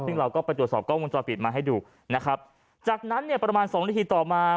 ซึ่งเราก็ไปตรวจสอบกล้องวงจรปิดมาให้ดูนะครับจากนั้นเนี่ยประมาณสองนาทีต่อมา